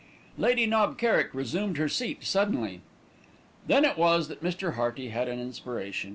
Lady Knob Kerrick resumed her seat suddenly. Then it was that Mr. Hearty had an inspiration.